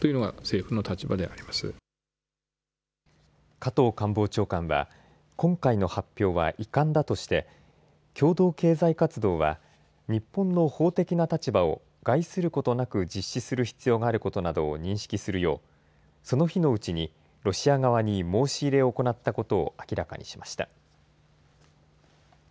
加藤官房長官は今回の発表は遺憾だとして共同経済活動は日本の法的な立場を害することなく実施する必要があることなどを認識するようその日のうちにロシア側に申し入れを行ったことを明らかにしました。